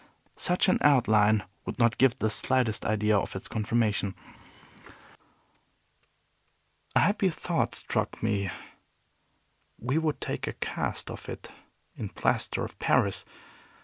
Such an outline would give not the slightest idea of its conformation. A happy thought struck me. We would take a cast of it in plaster of Paris.